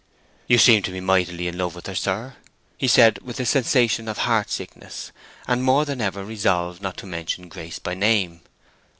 "You seem to be mightily in love with her, sir," he said, with a sensation of heart sickness, and more than ever resolved not to mention Grace by name.